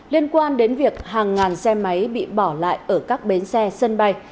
liên quan đến việc hàng ngàn xe máy bị bỏ lại ở các bến xe sân bay